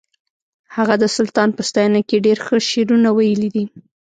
هغه د سلطان په ستاینه کې ډېر ښه شعرونه ویلي دي